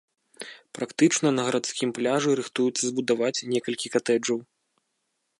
Практычна на гарадскім пляжы рыхтуюцца збудаваць некалькі катэджаў.